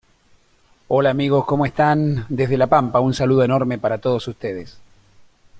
Texto en curso de preparación.